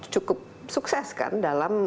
cukup sukses kan dalam